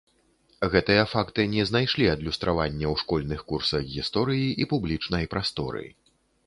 Гэтыя факты не знайшлі адлюстравання ў школьных курсах гісторыі і публічнай прасторы.